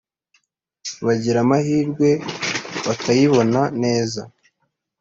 bagira amahirwe bakayibona neza